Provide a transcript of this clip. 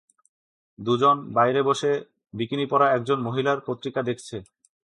দুজন লোক বাইরে বসে বিকিনি পরা একজন মহিলার পত্রিকা দেখছে।